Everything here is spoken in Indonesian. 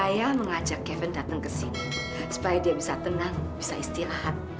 ibu saya mengajak kevin datang kesini supaya dia bisa tenang bisa istirahat